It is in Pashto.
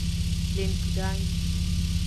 لینکډین